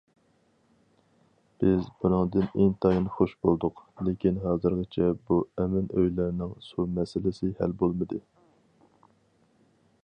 بىز بۇنىڭدىن ئىنتايىن خۇش بولدۇق، لېكىن ھازىرغىچە بۇ ئەمىن ئۆيلەرنىڭ سۇ مەسىلىسى ھەل بولمىدى.